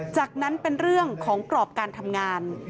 จากนั้นเป็นเรื่องของกรอบการทำงาน